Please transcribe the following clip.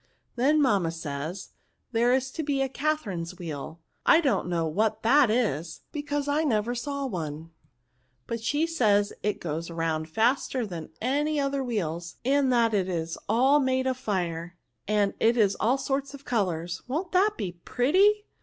Then mam ma says, there is to be a Catherine's wheel ; I don't know what that is, because I never saw one ; but she says it goes round faster than any other wheels, and that it is all made of fire, and it is of all sorts of colours. "Won't that be pretty